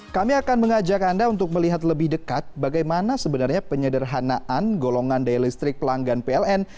kami akan mengajak anda untuk melihat lebih dekat bagaimana sebenarnya penyederhanaan golongan daya listrik pelanggan pln